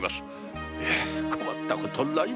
困ったことになりました。